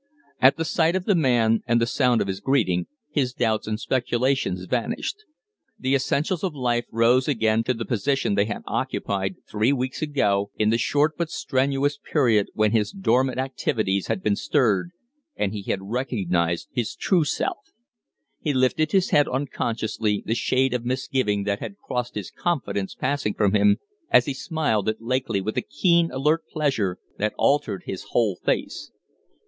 At the sight of the man and the sound of his greeting his doubts and speculations vanished. The essentials of life rose again to the position they had occupied three weeks ago, in the short but strenuous period when his dormant activities had been stirred and he had recognized his true self. He lifted his head unconsciously, the shade of misgiving that had crossed his confidence passing from him as he smiled at Lakeley with a keen, alert pleasure that altered his whole face.